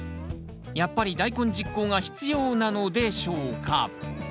やっぱり大根十耕が必要なのでしょうか？